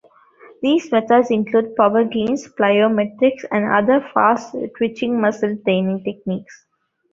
These methods include power cleans, plyometrics, and other fast twitching muscle training techniques.